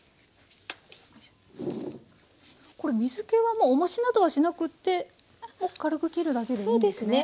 これ水けはもうおもしなどはしなくっても軽くきるだけでいいんですね？